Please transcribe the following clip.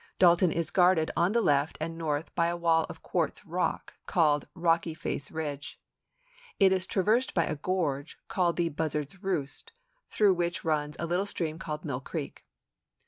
Dalton is guarded on the left and north by a wall of quartz rock called 10 ABKAHAM LINCOLN chap. i. Rocky Face Ridge. It is traversed by a gorge called the Buzzard's Roost, through which runs a little stream called Mill Creek.